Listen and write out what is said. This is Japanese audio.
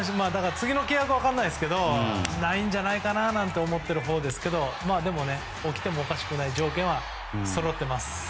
次の契約は分からないですけどないんじゃないかなと思っているほうですけどでもね、起きてもおかしくない条件はそろっています。